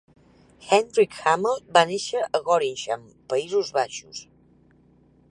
Hendrick Hamel va néixer a Gorinchem, Països Baixos.